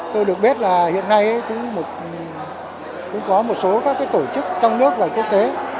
tôi được biết là hiện nay cũng có một số các tổ chức trong nước và quốc tế